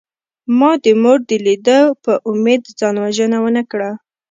ما د مور د لیدو په امید ځان وژنه ونکړه